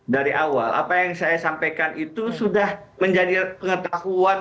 dari awal apa yang saya sampaikan itu sudah menjadi pengetahuan